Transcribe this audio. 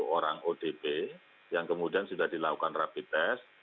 tujuh orang odp yang kemudian sudah dilakukan rapid test